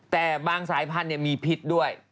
แต่บางสายพันธุ์มีพิษด้วย